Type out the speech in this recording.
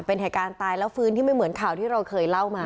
เป็นเหตุการณ์ตายแล้วฟื้นที่ไม่เหมือนข่าวที่เราเคยเล่ามา